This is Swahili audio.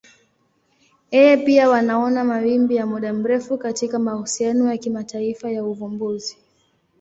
Yeye pia wanaona mawimbi ya muda mrefu katika mahusiano ya kimataifa ya uvumbuzi.